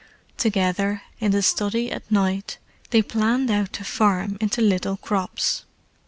Together, in the study at night, they planned out the farm into little crops.